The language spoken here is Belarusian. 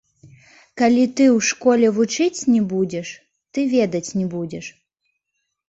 Калі ты ў школе вучыць не будзеш, ты ведаць не будзеш.